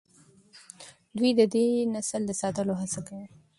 دوی د دې نسل د ساتلو هڅه کوي.